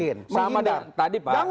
ini semua orang yang bikin